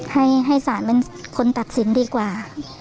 ให้ศาลเป็นคนตัดสินดีกว่า